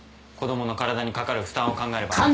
子供の体にかかる負担を考えれば。